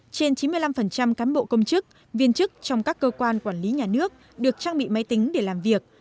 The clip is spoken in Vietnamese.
trên chín mươi năm cán bộ công chức viên chức trong các cơ quan quản lý nhà nước được trang bị máy tính để làm việc